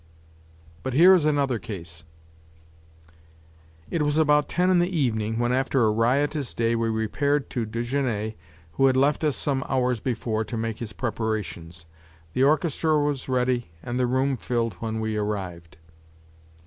But here is another case: It was about ten in the evening when, after a riotous day, we repaired to Desgenais, who had left us some hours before to make his preparations. The orchestra was ready and the room filled when we arrived.